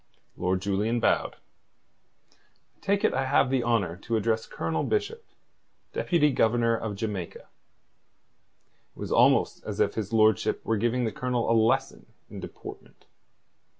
Lord Julian bowed. "I take it I have the honour to address Colonel Bishop, Deputy Governor of Jamaica." It was almost as if his lordship were giving the Colonel a lesson in deportment.